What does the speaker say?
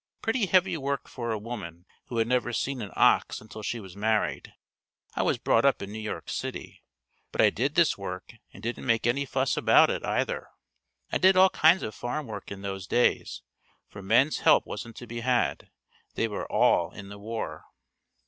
Pretty heavy work for a woman who had never seen an ox until she was married. I was brought up in New York City, but I did this work and didn't make any fuss about it, either. I did all kinds of farm work in those days for men's help wasn't to be had, they were all in the war.